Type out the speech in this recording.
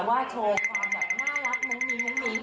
ว่าโชว์ความแบบน่ารักมึงมึง